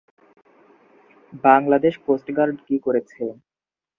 Bangladesh coast guard কি করেছে?